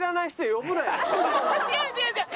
違う違う違う。